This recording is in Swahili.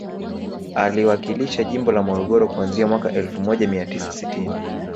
Aliwakilisha jimbo ya Morogoro kuanzia mwaka elfu moja mia tisa sitini